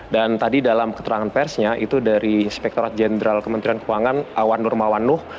dan tadi dalam keterangan persnya itu dari inspekturat jenderal kementerian keuangan awan nurmawanuh